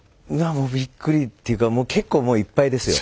もうびっくりっていうか結構もういっぱいですよ。